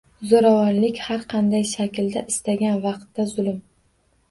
Zo'ravonlik, har qanday shaklda, istalgan vaqtda zulm